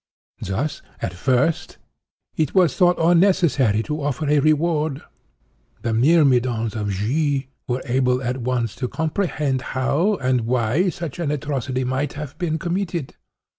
Thus; at first, it was thought unnecessary to offer a reward. The myrmidons of G—— were able at once to comprehend how and why such an atrocity might have been committed.